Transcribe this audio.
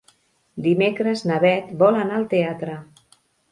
Dimecres na Beth vol anar al teatre.